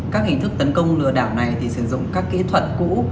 các hình thức tấn công lừa đảo này thì sử dụng các kỹ thuật cũ